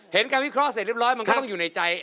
การวิเคราะห์เสร็จเรียบร้อยมันก็ต้องอยู่ในใจ